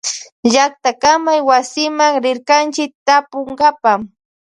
Llactakamaywasiman rirkanchi tapunkapa.